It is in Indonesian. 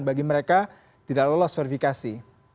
bagi mereka tidak lolos verifikasi